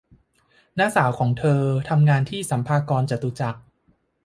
น้าสาวของเธอทำงานที่สรรพากรจตุจักร